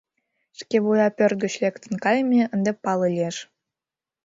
Шкевуя пӧрт гыч лектын кайыме ынде пале лиеш.